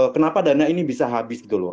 kenapa dana ini bisa habis gitu loh